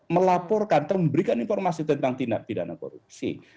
melaporkan atau memberikan informasi tentang tindak pidana korupsi